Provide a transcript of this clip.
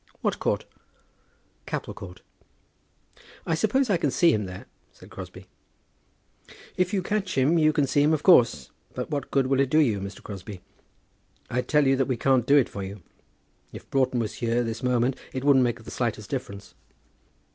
"What court?" "Capel Court." "I suppose I can see him there?" said Crosbie. "If you catch him you can see him, of course. But what good will that do you, Mr. Crosbie? I tell you that we can't do it for you. If Broughton was here this moment it couldn't make the slightest difference."